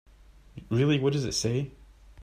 Really, what does it say?